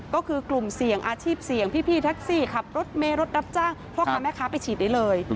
ก็คือกลุ่มเสี่ยงอาชีพเสี่ยงพี่แท็กซี่ขับรถเมรถรับจ้างพ่อค้าแม่ค้าไปฉีดได้เลย